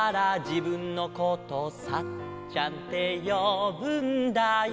「じぶんのことサッちゃんてよぶんだよ」